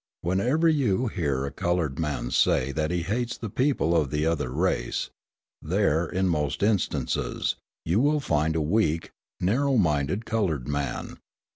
Whenever you hear a coloured man say that he hates the people of the other race, there, in most instances, you will find a weak, narrow minded coloured man.